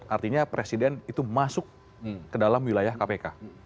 artinya presiden itu masuk ke dalam wilayah kpk